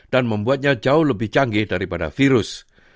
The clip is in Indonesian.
dan membuatnya jauh lebih canggih daripada virus